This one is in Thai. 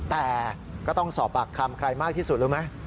แต่ก็ต้องสอบปากคำใครมากที่สุดรู้ไหม